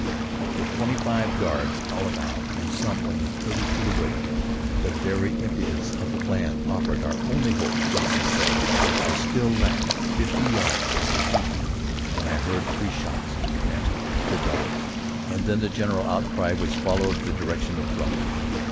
With twenty five guards all about and some only thirty feet away, the very impudence of the plan offered our only hope of success. I still lacked fifty yards of the peat heap when I heard three shots, next the dogs, and then the general outcry which followed the detection of Brumley.